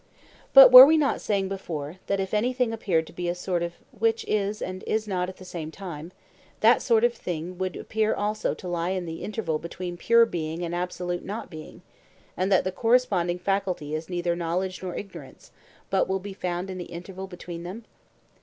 But were we not saying before, that if anything appeared to be of a sort which is and is not at the same time, that sort of thing would appear also to lie in the interval between pure being and absolute not being; and that the corresponding faculty is neither knowledge nor ignorance, but will be found in the interval between them?